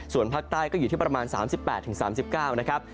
ส่วนภาคใต้ก็อยู่ที่ประมาณ๓๘๓๙นะครับ